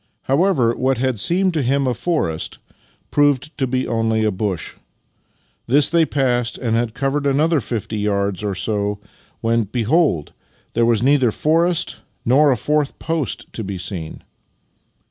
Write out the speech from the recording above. However, what had seemed to him a forest proved to be only a bush. This they passed, and had covered another fifty yards or so — when, behold! there was neither forest nor a fourth post to be seen!